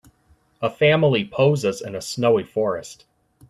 A family poses in a snowy forest.